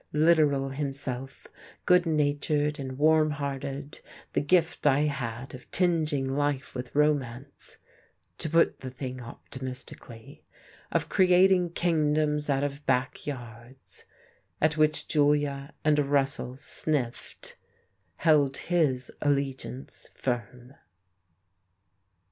Literal himself, good natured and warm hearted, the gift I had of tingeing life with romance (to put the thing optimistically), of creating kingdoms out of back yards at which Julia and Russell sniffed held his allegiance firm.